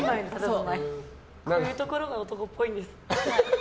こういうところが男っぽいんです。